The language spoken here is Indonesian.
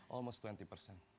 hampir dua puluh persen